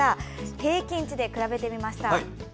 平均値で比べてみました。